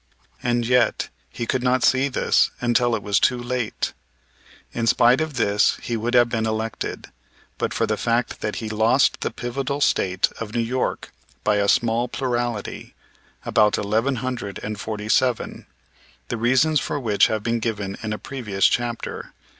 And yet, he could not see this until it was too late. In spite of this he would have been elected, but for the fact that he lost the pivotal State of New York by a small plurality, about eleven hundred and forty seven, the reasons for which have been given in a previous chapter.